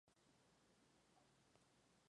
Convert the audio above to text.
Filiberto adhería a las ideas del anarquismo.